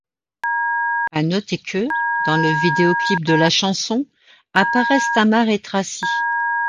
À noter que, dans le vidéoclip de la chanson, apparaissent Tamar et Traci.